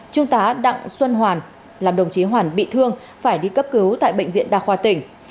trung tá đặng xuân hoàn làm đồng chí hoàn bị thương phải đi cấp cứu tại bệnh viện đa khoa tỉnh